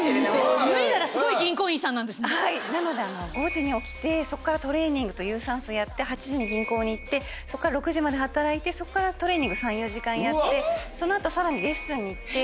５時に起きてそこからトレーニングと有酸素やって８時に銀行に行って６時まで働いてそこからトレーニング３４時間やってその後さらにレッスンに行って。